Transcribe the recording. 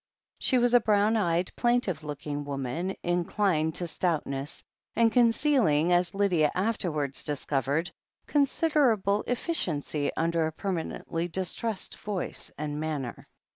She was a brown eyed, plaintive looking woman, in clined to stoutness, and concealing, as Lydia afterwards discovered, considerable efficiency under a permanently distressed voice and manner.